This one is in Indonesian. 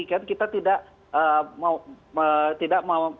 kan kita tidak mau